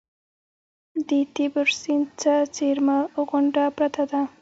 د تیبر سیند ته څېرمه غونډه پرته ده.